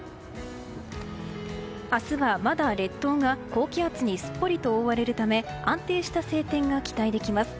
明日はまだ列島が高気圧にすっぽりと覆われるため安定した晴天が期待できます。